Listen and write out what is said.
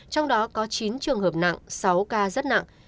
trong đó có chín trường hợp nặng sáu ca rất nặng